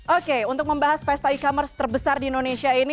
oke untuk membahas pesta e commerce terbesar di indonesia ini